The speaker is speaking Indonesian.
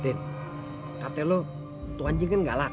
tien katanya lu itu anjing kan galak